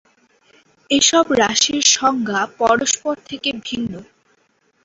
এসব রাশির সংজ্ঞা পরস্পর থেকে ভিন্ন।